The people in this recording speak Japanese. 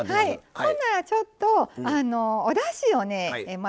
ほんならちょっとおだしをね